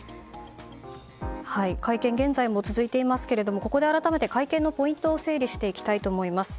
会見は現在も続いていますけれどもここで改めて会見のポイントを整理していきたいと思います。